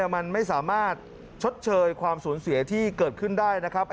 มันไม่สามารถชดเชยความสูญเสียที่เกิดขึ้นได้นะครับ